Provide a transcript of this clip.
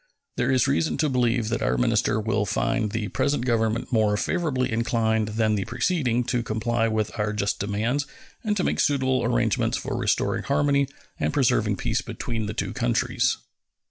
There is reason to believe that our minister will find the present Government more favorably inclined than the preceding to comply with our just demands and to make suitable arrangements for restoring harmony and preserving peace between the two countries.